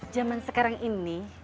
zaman sekarang ini